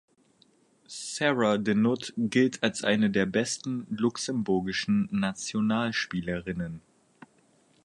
Sarah De Nutte gilt als eine der besten luxemburgischen Nationalspielerinnen.